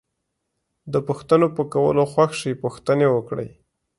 د پوښتنو په کولو خوښ شئ پوښتنې وکړئ.